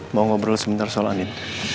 mau ngobrol sebentar soal angin